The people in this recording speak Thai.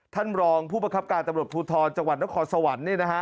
ท่านรองผู้ประคับการตำรวจภูทรจังหวัดนครสวรรค์